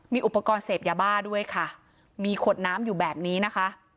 มีอุปกรณ์เสพยาบ้าด้วยค่ะมีขวดน้ำอยู่แบบนี้นะคะ